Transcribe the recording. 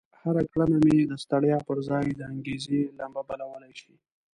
هره کړنه مو د ستړيا پر ځای د انګېزې لمبه بلولای شي.